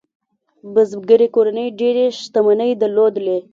بزګري کورنۍ ډېرې شتمنۍ درلودې.